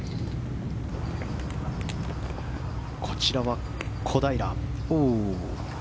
こちらは小平。